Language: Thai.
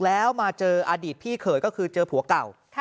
แล้วมาเจออดีตพี่เขยก็คือเจอผัวเก่า